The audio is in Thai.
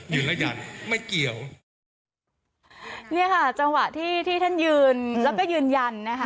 ยืนยันไม่เกี่ยวเนี่ยค่ะจังหวะที่ที่ท่านยืนแล้วก็ยืนยันนะคะ